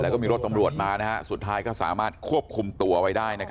แล้วก็มีรถตำรวจมาสุดท้ายก็สามารถควบคุมตัวไว้ได้